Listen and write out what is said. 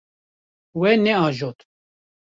Wê neajot.